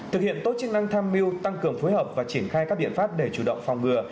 thực hiện tốt chức năng tham mưu tăng cường phối hợp và triển khai các biện pháp để chủ động phòng ngừa